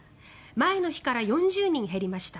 前の日から４０人減りました。